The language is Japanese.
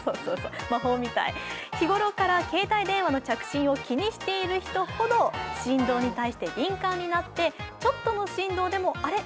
日頃から携帯電話の着信を気にしている人ほど振動に対して敏感になって、ちょっとの振動でもあれ？